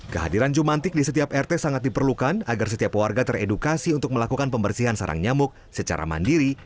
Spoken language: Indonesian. kehadiran jumantik di setiap rt sangat diperlukan agar setiap warga teredukasi untuk melakukan pembersihan sarang nyamuk secara mandiri